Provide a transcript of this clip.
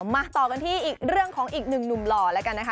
มาต่อกันที่อีกเรื่องของอีกหนึ่งหนุ่มหล่อแล้วกันนะคะ